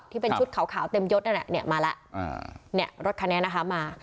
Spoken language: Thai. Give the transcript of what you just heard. ที่เป็นชุดขาวเต็มยดนั่นแหละเนี่ยมาแล้วเนี่ยรถคันนี้นะคะมา